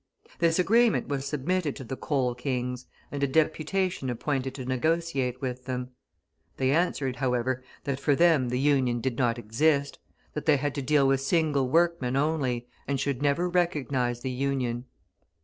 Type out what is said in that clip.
This agreement was submitted to the "coal kings," and a deputation appointed to negotiate with them; they answered, however, that for them the Union did not exist, that they had to deal with single workmen only, and should never recognise the Union.